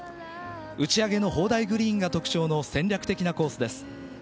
打ち上げの砲台グリーンが特徴の戦略的なコースです。